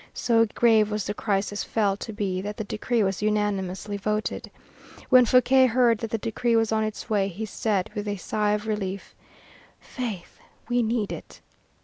So grave was the crisis felt to be that the decree was unanimously voted. When Fouquier heard that the decree was on its way, he said, with a sigh of relief, "Faith, we need it."